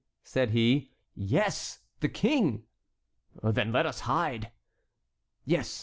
said he. "Yes, the King." "Then let us hide." "Yes.